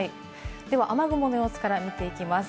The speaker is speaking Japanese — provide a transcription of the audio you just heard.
では雨雲の様子から見ていきます。